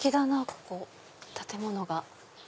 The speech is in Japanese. ここ建物が。